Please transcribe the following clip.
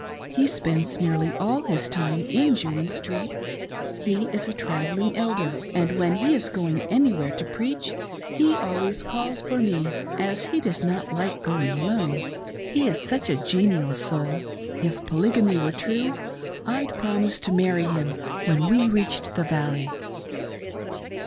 He spends nearly all his time in Jewin Street ; he is a travelling Elder, and when he is going anywhere to preach he always calls for me, as he does not like going alone, he is such a genial soul. If Polygamy were true I'd promise to marry him when we reached the valley."